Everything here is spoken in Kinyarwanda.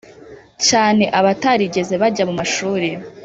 cyane abatarigeze bajya mu mashuri